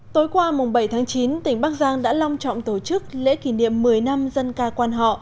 tối qua mùng bảy tháng chín tỉnh bắc giang đã long trọng tổ chức lễ kỷ niệm một mươi năm dân ca quan họ